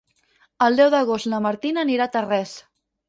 El deu d'agost na Martina anirà a Tarrés.